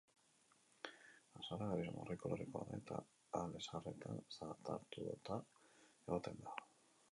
Azala, gris-marroi kolorekoa da eta ale zaharretan zartatua egoten da.